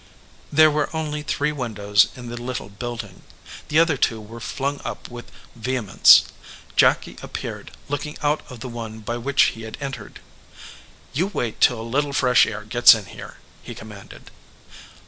There were only three windows in the little building. The other two were flung up with vehe mence. Jacky appeared, looking out of the one by which he had entered. "You wait till a little fresh air gets in here," he commanded.